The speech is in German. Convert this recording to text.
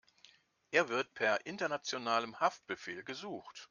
Er wird per internationalem Haftbefehl gesucht.